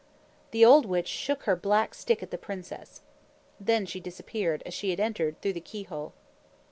The old witch shook her black stick at the princess. Then she disappeared, as she had entered, through the keyhole.